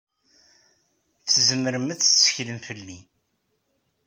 Tzemrem ad tetteklem fell-i.